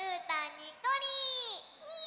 にっこり！